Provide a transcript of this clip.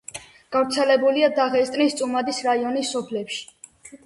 გავრცელებულია დაღესტნის წუმადის რაიონის სოფლებში.